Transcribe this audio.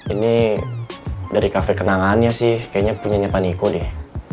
ini dari kafe kenangannya sih kayaknya punya nyapa niko deh